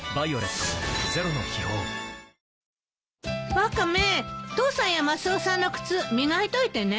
ワカメ父さんやマスオさんの靴磨いといてね。